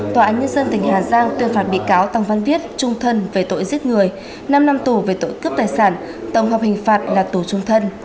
tòa án nhân dân tỉnh hà giang tuyên phạt bị cáo tăng văn viết trung thân về tội giết người năm năm tù về tội cướp tài sản tổng hợp hình phạt là tù trung thân